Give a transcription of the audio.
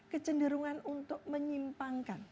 kecenderungan untuk menyimpangkan